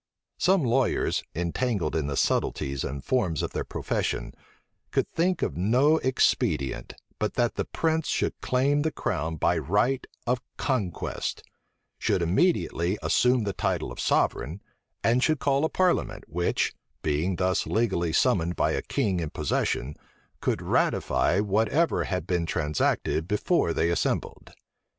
Some lawyers, entangled in the subtleties and forms of their profession, could think of no expedient, but that the prince should claim the crown by right of conquest; should immediately assume the title of sovereign; and should call a parliament, which, being thus legally summoned by a king in possession, could ratify whatever had been transacted before they assembled.